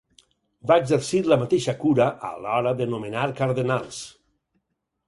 Va exercir la mateixa cura a l'hora de nomenar cardenals.